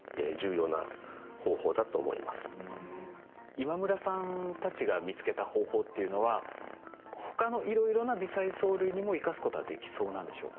今村さんたちが見つけた方法っていうのは他のいろいろな微細藻類にも生かすことはできそうなんでしょうか？